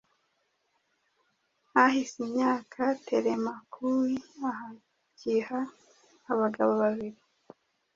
hahize imyaka Telemakui ahakiha abagabo babiri